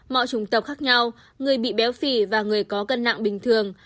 mọi trùng tộc khác nhau người bị béo phì và người có cân nặng bình thường